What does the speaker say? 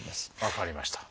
分かりました。